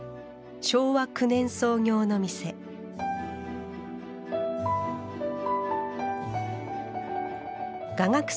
昭和９年創業の店画学